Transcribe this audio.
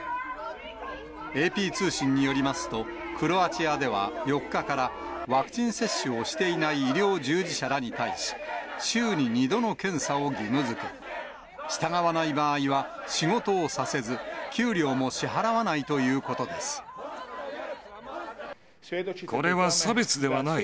ＡＰ通信によりますと、クロアチアでは４日から、ワクチン接種をしていない医療従事者らに対し、週に２度の検査を義務づけ、従わない場合は仕事をさせず、これは差別ではない。